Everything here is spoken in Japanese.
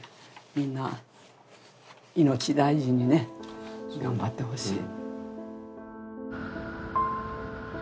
みんな命大事にね頑張ってほしい。